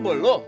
itu ibu lo